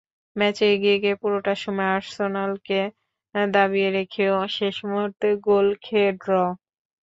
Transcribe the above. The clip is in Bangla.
ম্যাচে এগিয়ে গিয়ে, পুরোটা সময় আর্সেনালকে দাবিয়ে রেখেও শেষ মুহূর্তে গোল খেয়ে ড্র।